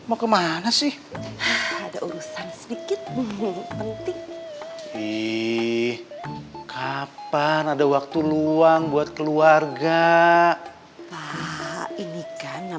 oke udah apa apa assalamualaikum